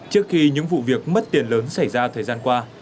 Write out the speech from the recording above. trước khi những vụ việc mất tiền lớn xảy ra thời gian qua